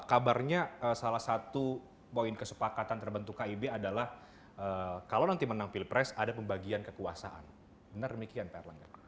kabarnya salah satu poin kesepakatan terbentuk kib adalah kalau nanti menang pilpres ada pembagian kekuasaan benar demikian pak erlangga